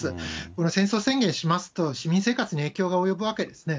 この戦争宣言しますと、市民生活に影響が及ぶわけですね。